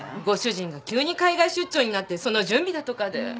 ご主人が急に海外出張になってその準備だとかで。